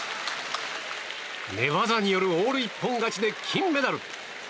寝技によるオール一本勝ちで金メダル。